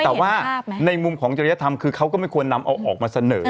แต่ว่าในมุมของจริยธรรมคือเขาก็ไม่ควรนำเอาออกมาเสนอ